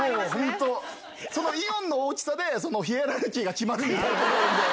そのイオンの大きさで、ヒエラルキーが決まるんで。